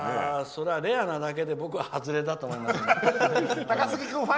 それはレアなだけで僕は外れだと思いますよ。